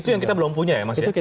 itu kita belum punya